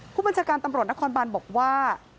ผู้บัญชาการตำรวจนครบานบอกว่า